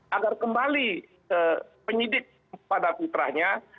agar kembali penyidik pada fitrahnya